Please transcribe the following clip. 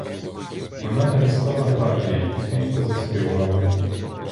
Вона перестала грати й тихенько заспівала.